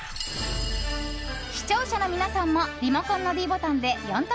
視聴者の皆さんもリモコンのｄボタンで４択